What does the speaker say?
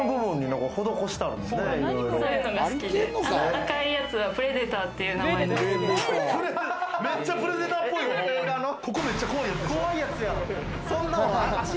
赤いやつはプレデターっていう名前の靴で。